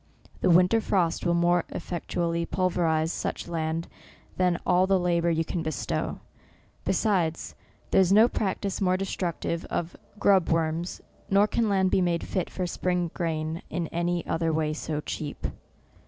The winter frost will more effectually pulverize such land than all the labour you can bestow ; besides, there is no practice more destructive of grub worms, nor can land be made fit for spring grain in any other way so cheap.